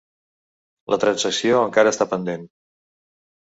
La transacció encara està pendent.